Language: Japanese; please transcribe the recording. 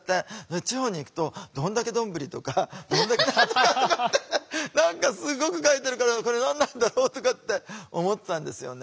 で地方に行くと「どんだけ丼」とか「どんだけ何とか」とかって何かすごく書いてるから「これ何なんだろう」とかって思ってたんですよね。